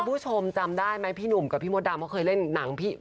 คุณผู้ชมจำได้ไหมพี่หนุ่มกับพี่มดดำเขาเคยเล่นหนังพี่